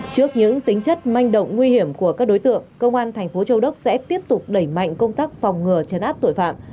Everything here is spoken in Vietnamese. trước những tính chất manh động nguy hiểm của các đối tượng công an thành phố châu đốc sẽ tiếp tục đẩy mạnh công tác phòng ngừa chấn áp tội phạm